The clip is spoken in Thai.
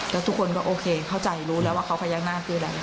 แล้วทุกคนก็โอเคเข้าใจรู้แล้วว่าเขาพญานาคคืออะไร